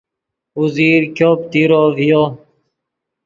اوزیر ګوپ تیرو ڤیو